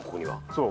そう。